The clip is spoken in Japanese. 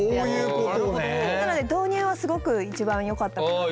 なので導入はすごく一番よかったかなと。